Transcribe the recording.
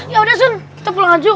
ya udah sun kita pulang aja